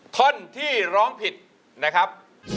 ท่อนที่ร้องผิดนะครับ